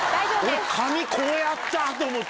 俺紙こうやったと思って。